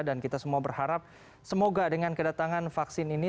dan kita semua berharap semoga dengan kedatangan vaksin ini